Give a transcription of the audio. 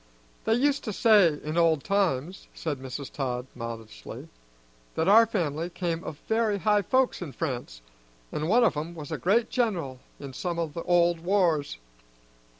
"They used to say in old times," said Mrs. Todd modestly, "that our family came of very high folks in France, and one of 'em was a great general in some o' the old wars.